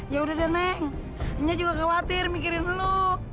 ya udah deh neng nya juga khawatir mikirin lo